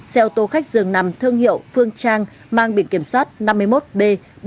xe ô tô khách giường nằm thương hiệu phương trang mang biển kiểm soát năm mươi một b bốn mươi nghìn hai trăm bảy mươi